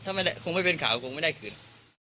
ถ้าคงไม่เป็นข่าวคงไม่ได้คืน